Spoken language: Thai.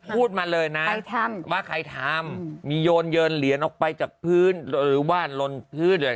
พูดมาเลยนะว่าใครทำมีโยนเยินเหรียญออกไปจากพื้นหรือว่าลนพื้น